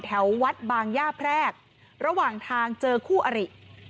แถววัดบางย่าแพรกระหว่างทางเจอคู่อริ